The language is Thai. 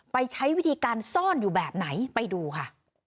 ใช้วิธีการซ่อนอยู่แบบไหนไปดูค่ะ